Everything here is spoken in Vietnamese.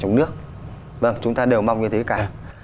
trong nước vâng chúng ta đều mong như thế cả